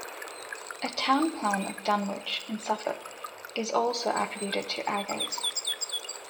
A town plan of Dunwich in Suffolk is also attributed to Agas.